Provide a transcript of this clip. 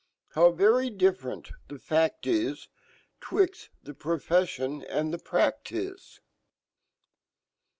tl "Ho\v very different ihe fact i$ 'Twixt fhe profeffion and fhe practice!